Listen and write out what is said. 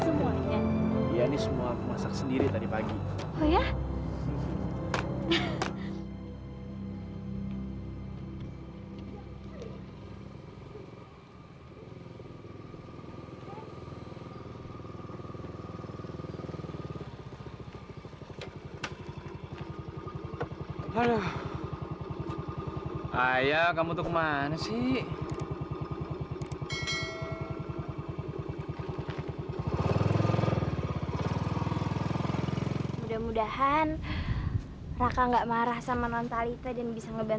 minuman gratis dari ibu ibu itu suka sama kamu kali sat